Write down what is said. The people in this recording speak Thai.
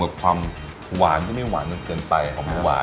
รวมกับความหวานที่ไม่หวานนึงเกินไปของม้วงหวาน